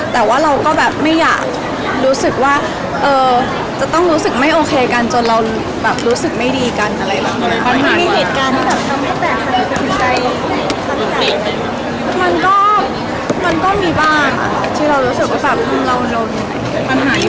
แต่ว่าเราก็แบบไม่อยากรู้สึกว่าจะต้องรู้สึกไม่โอเคกันจนเราแบบรู้สึกไม่ดีกันอะไรอย่างนี้